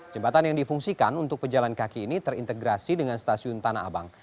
jembatan yang difungsikan untuk pejalan kaki ini terintegrasi dengan stasiun tanah abang